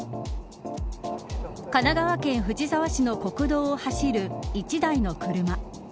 神奈川県藤沢市の国道を走る１台の車。